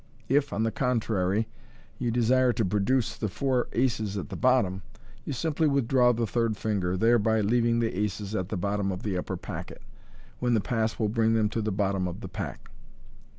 If, on the contrary, you desire to produce the four aces at the bottom, yon simply withdraw the third finger, thereby leaving the aces at the bottom of the upper packet, when the pass will bring them to the bottom of the pack.